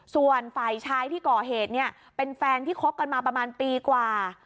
ส่วนฝ่ายชายที่ก่อเหตุเนี่ยเป็นแฟนที่คบกันมาประมาณปีกว่า